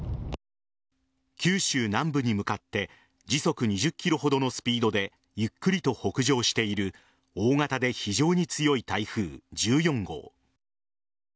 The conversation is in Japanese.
九州南部に向かって時速２０キロほどのスピードでゆっくりと北上している大型で非常に強い台風１４号。